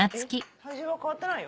体重は変わってないよ。